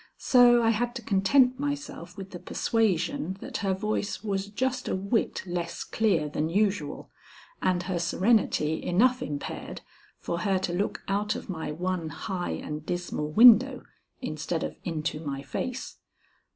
So I had to content myself with the persuasion that her voice was just a whit less clear than usual and her serenity enough impaired for her to look out of my one high and dismal window instead of into my face.